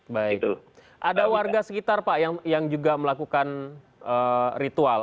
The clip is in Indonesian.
baik ada warga sekitar pak yang juga melakukan ritual